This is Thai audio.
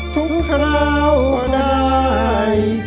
ทุกครั้งเราได้